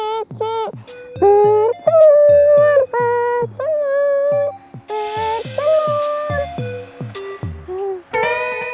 percebur percebur percebur